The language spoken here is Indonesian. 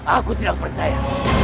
aku tidak percaya